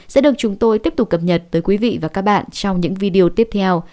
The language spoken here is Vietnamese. sẽ được chúng tôi tiếp tục cập nhật tới quý vị và các bạn trong những video tiếp theo